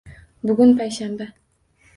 Bugun payshanba.